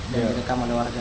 dan direkam warga